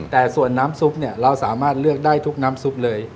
แต่ส่วนน้ำซุปเนี่ยเราสามารถเลือกได้ทุกน้ำซุปเลย